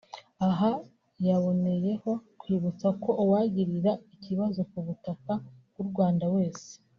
Aha yaboneyeho kwibutsa ko uwagirira ikibazo ku butaka bw’u Rwanda wese